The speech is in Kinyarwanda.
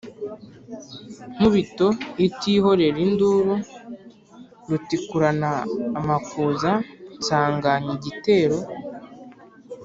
Nkubito itihorera induru, rutikurana amakuza nsanganya igitero,